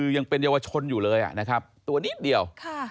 ยังเป็นเยาวชนอยู่เลยนะครับตัวนิดเดียว